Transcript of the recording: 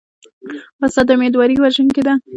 وسله د امیدواري وژونکې ده